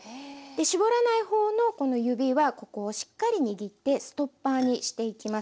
搾らない方のこの指はここをしっかり握ってストッパーにしていきます。